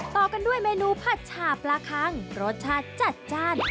ต่อกันด้วยเมนูผัดฉาปลาคังรสชาติจัดจ้าน